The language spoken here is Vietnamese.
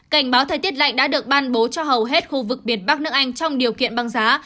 cảnh báo thời tiết lạnh đã được ban bố cho hầu hết khu vực việt bắc nước anh trong điều kiện băng giá